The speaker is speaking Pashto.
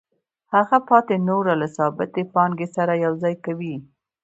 هغه پاتې نوره له ثابتې پانګې سره یوځای کوي